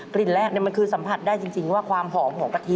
กลิ่นแรกมันคือสัมผัสได้จริงว่าความหอมของกะทิ